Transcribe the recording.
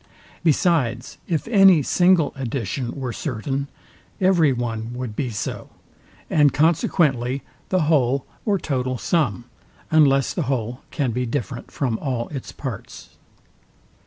Besides, if any single addition were certain, every one would be so, and consequently the whole or total sum; unless the whole can be different from all its parts.